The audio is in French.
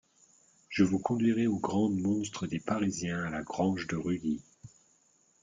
Je vous conduirai aux grandes monstres des parisiens à la grange de Rully.